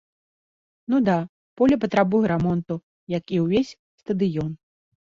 Ну да, поле патрабуе рамонту, як і ўвесь стадыён.